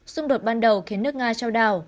xung đột ban đầu khiến nước nga trao đảo